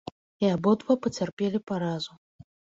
І абодва пацярпелі паразу.